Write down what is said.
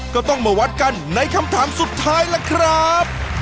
ก็ต้องมาวัดกันในคำถามสุดท้ายล่ะครับ